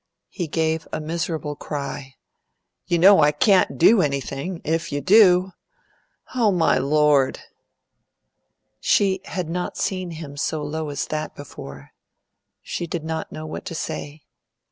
He gave a miserable cry. "You know I can't do anything, if you do. O my Lord!" She had not seen him so low as that before. She did not know what to say.